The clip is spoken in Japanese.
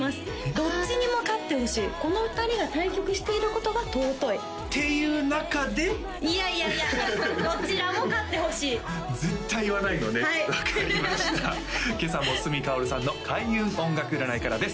どっちにも勝ってほしいこのお二人が対局していることが尊いっていう中でいやいやいやどちらも勝ってほしい絶対言わないのねはい分かりました今朝も角かおるさんの開運音楽占いからです